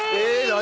何？